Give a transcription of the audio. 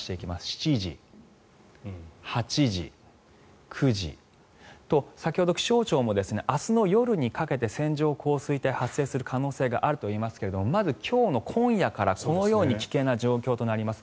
７時、８時、９時と先ほど気象庁も明日の夜にかけて線状降水帯が発生する確率があるといいますがまず今日の今夜からこのように危険な状況となります。